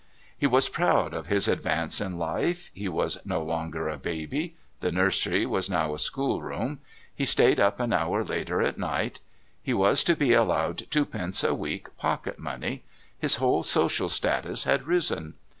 He was proud of his advance in life; he was no longer a baby; the nursery was now a schoolroom; he stayed up an hour later at night; he was to be allowed twopence a week pocket money; his whole social status had risen.